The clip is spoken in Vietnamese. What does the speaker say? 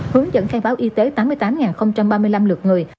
hướng dẫn khai báo y tế tám mươi tám ba mươi năm lượt người